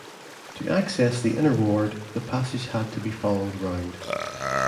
To access the inner ward, the passage had to be followed round.